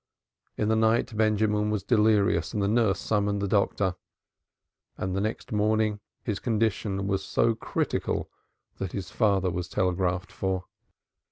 In the night Benjamin was delirious, and the nurse summoned the doctor, and next morning his condition was so critical that his father was telegraphed for.